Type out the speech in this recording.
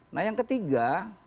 nah yang ketiga